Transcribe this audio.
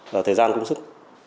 vào thời gian công sức